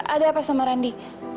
ada apa sama randi